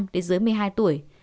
đến dưới một mươi hai tuổi